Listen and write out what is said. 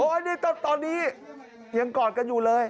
อันนี้ตอนนี้ยังกอดกันอยู่เลย